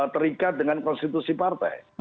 terikat dengan konstitusi partai